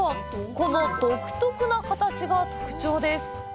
この独特な形が特徴です。